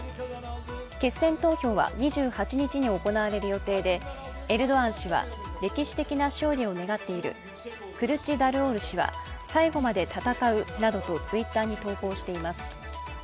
決選投票は２８日に行われる予定でエルドアン氏は歴史的な勝利を願っている、クルチダルオール氏は、最後まで戦うなどとＴｗｉｔｔｅｒに投稿しています